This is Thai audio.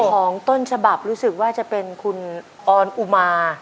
ของต้นฉบับรู้สึกว่าจะเป็นคุณออนอุมา